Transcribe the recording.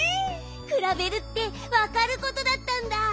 くらべるってわかることだったんだ！